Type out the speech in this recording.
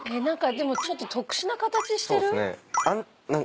何かでもちょっと特殊な形してる？